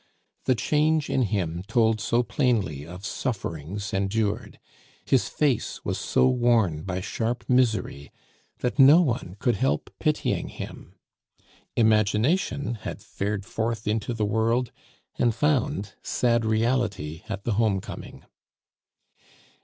The change in him told so plainly of sufferings endured, his face was so worn by sharp misery, that no one could help pitying him. Imagination had fared forth into the world and found sad reality at the home coming.